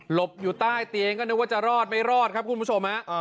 บอยู่ใต้เตียงก็นึกว่าจะรอดไม่รอดครับคุณผู้ชมฮะ